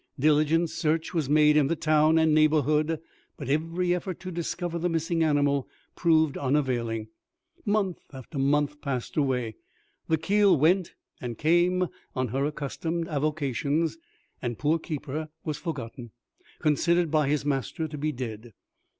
Diligent search was made in the town and neighbourhood, but every effort to discover the missing animal proved unavailing. Month after month passed away, the keel went and came on her accustomed avocations, and poor Keeper was forgotten considered by his master to be dead.